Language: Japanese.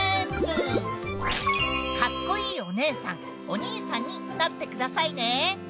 かっこいいお姉さんお兄さんになってくださいね。